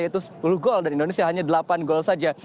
yaitu sepuluh gol dan indonesia hanya delapan gol saja